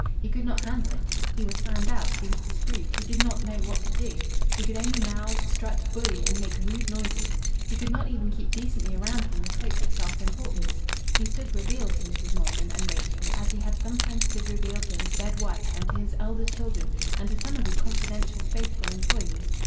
He could not handle it. He was found out. He was disproved, He did not know what to do. He could only mouth, strut, bully, and make rude noises. He could not even keep decently around him the cloak of self importance. He stood revealed to Mrs. Maldon and Rachel as he had sometimes stood revealed to his dead wife and to his elder children and to some of his confidential, faithful employees.